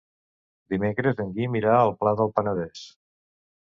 Dimecres en Guim irà al Pla del Penedès.